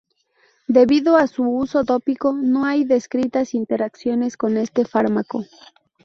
Debido a su uso tópico no hay descritas interacciones con este fármaco.